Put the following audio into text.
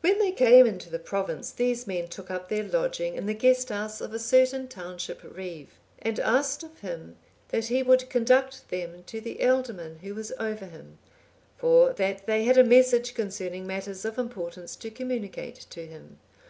When they came into the province, these men took up their lodging in the guesthouse of a certain township reeve, and asked of him that he would conduct them to the ealdorman(828) who was over him, for that they had a message concerning matters of importance to communicate to him.